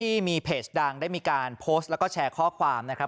ที่มีเพจดังได้มีการโพสต์แล้วก็แชร์ข้อความนะครับ